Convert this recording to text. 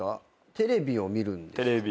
テレビを見るんですか？